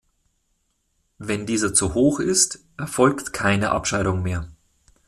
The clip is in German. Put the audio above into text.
Wenn dieser zu hoch ist, erfolgt keine Abscheidung mehr.